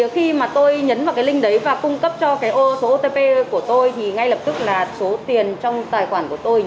khi tôi nhấn vào link đấy và cung cấp cho số otp của tôi ngay lập tức là số tiền trong tài khoản của tôi